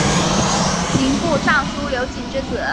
刑部尚书刘璟之子。